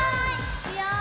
いくよ！